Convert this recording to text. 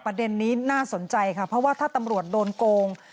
ประเด็นนี้น่าสนใจค่ะเพราะว่าถ้าตำรวจโดนโกง